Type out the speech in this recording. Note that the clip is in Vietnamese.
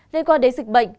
liên quan đến dịch bệnh